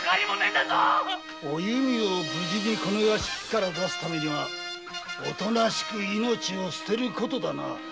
お弓を無事に出すためにはおとなしく命を捨てることだな。